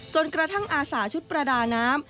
กระทั่งอาสาชุดประดาน้ำ